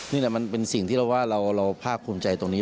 นี่แหละมันเป็นสิ่งที่เราว่าเราภาคภูมิใจตรงนี้